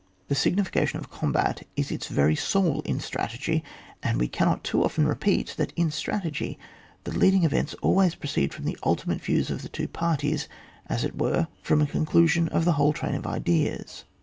The signification of a combat is its very soul in strategy, and we cannot too often repeat, that in strategy the leading events always proceed from the ultimate views of the two parties, as it were, from a con clusion of the whole train of ideas.